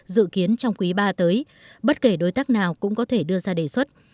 dự kiến trong quý ba tới bất kể đối tác nào cũng có thể đưa ra đề xuất